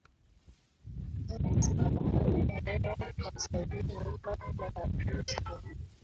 hadi mnamo mwaka sabini kabla ya kristo